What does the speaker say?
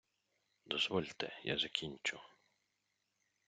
Дозвольте, я закінчу!